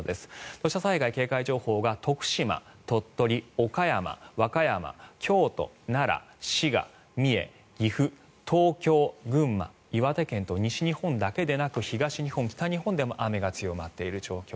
土砂災害警戒情報が徳島、鳥取、岡山、和歌山京都、奈良、滋賀、三重岐阜、東京、群馬、岩手県と西日本だけでなく東日本、北日本でも雨が強まっている状況。